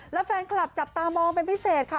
และแฟนคลับจับตามองเป็นพิเศษค่ะ